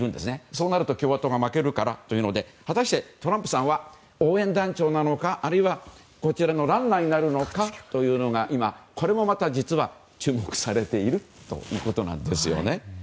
そうなると共和党が負けるからというので果たしてトランプさんは応援団長なのかあるいは、こちらのランナーになるのかというのが今、実は注目されているということなんです。